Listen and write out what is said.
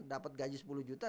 dapat gaji sepuluh juta